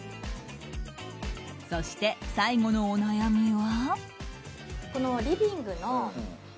そして、最後のお悩みは。